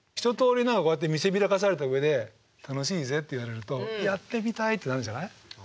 何かこうやって見せびらかされた上で「楽しいぜ」って言われると「やってみたい！」ってなるんじゃない？